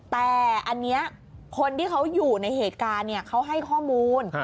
แต่อันนี้คนที่เขาอยู่ในเหตุการณ์เขาให้ข้อมูล